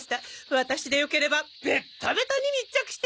ワタシでよければベッタベタに密着してください！